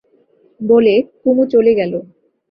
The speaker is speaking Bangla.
বলে কুমু চলে গেল।